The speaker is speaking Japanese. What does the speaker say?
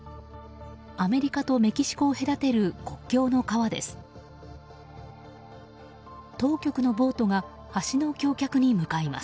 アメリカとメキシコを隔てる国境の川です。